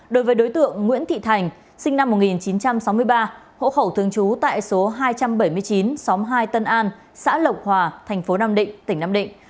đối với đối tượng nguyễn thị thành sinh năm một nghìn chín trăm sáu mươi ba hỗ khẩu thương chú tại số hai trăm bảy mươi chín xóm hai tân an xã lộc hòa tp nam định tỉnh nam định